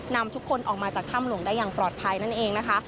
นำทุกคนออกมาจากถ้ำหลวงได้อย่างปลอดภัยนั่นเองนะคะ